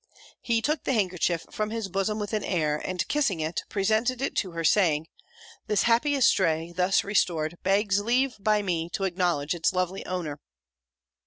He took the handkerchief from his bosom with an air; and kissing it, presented it to her, saying, "This happy estray, thus restored, begs leave, by me, to acknowledge its lovely owner!"